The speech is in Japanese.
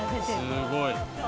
すごい。